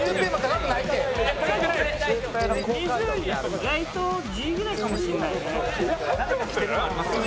意外と１０位ぐらいかもしれないよね。